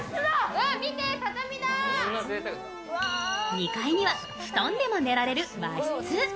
２階には布団でも寝られる和室。